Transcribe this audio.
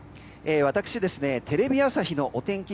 私、テレビ朝日のお天気